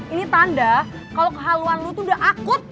ini tanda kalo kehaluan lu udah akut